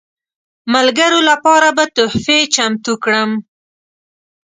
ملګرو لپاره به تحفې چمتو کړم.